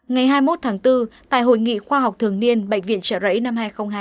ngày hai mươi một tháng bốn tại hội nghị khoa học thường niên bệnh viện trợ rẫy năm hai nghìn hai mươi